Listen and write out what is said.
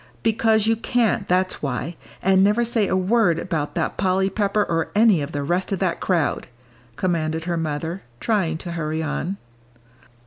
"Because you can't, that's why. And never say a word about that Polly Pepper or any of the rest of that crowd," commanded her mother, trying to hurry on.